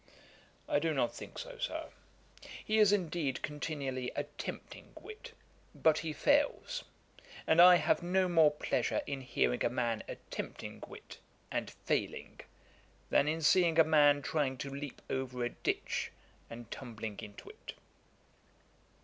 'I do not think so, Sir. He is, indeed, continually attempting wit, but he fails. And I have no more pleasure in hearing a man attempting wit and failing, than in seeing a man trying to leap over a ditch and tumbling into it.'